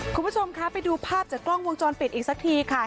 คุณผู้ชมคะไปดูภาพจากกล้องวงจรปิดอีกสักทีค่ะ